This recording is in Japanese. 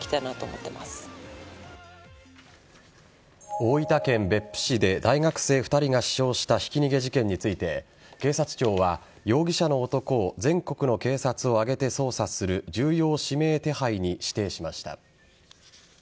大分県別府市で大学生２人が死傷したひき逃げ事件について警察庁は容疑者の男を全国の警察を挙げて捜査する重要指名手配に指定しました。